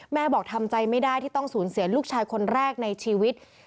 บอกทำใจไม่ได้ที่ต้องสูญเสียลูกชายคนแรกในชีวิต